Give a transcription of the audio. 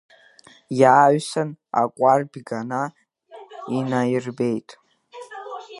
Иааҩсан аҟәардә Гана инаиирбеит.